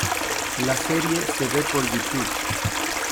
La serie se ve por YouTube.